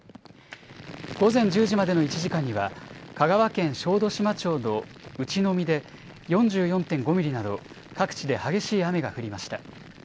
午前１０時までの１時間には香川県小豆島町の内海で４４．５ミリなど、各地で激しい雨が降りました。